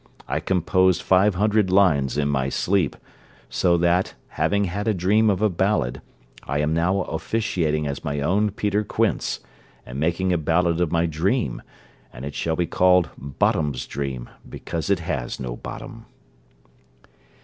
I composed five hundred lines in my sleep; so that, having had a dream of a ballad, I am now officiating as my own Peter Quince, and making a ballad of my dream, and it shall be called Bottom's Dream, because it has no bottom.